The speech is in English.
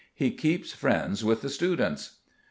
He keeps friends with the students."